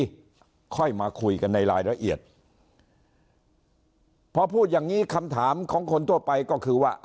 ค่อยมาคุยกันในรายละเอียดพอพูดอย่างงี้คำถามของคนทั่วไปก็คือว่า